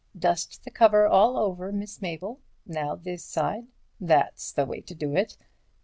Dust the cover all over, Miss Mabel; now this side—that's the way to do it.